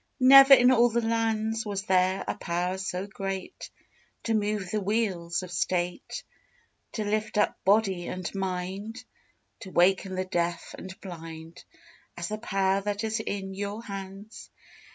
Never in all the lands Was there a power so great, To move the wheels of state, To lift up body and mind, To waken the deaf and blind, As the power that is in your hands!